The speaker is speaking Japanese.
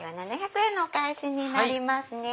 ７００円のお返しになりますね。